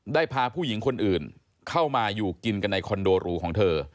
ได้พาผู้หญิงคนอื่นเข้ามาอยู่กินกันในคอนโดรูของเธอ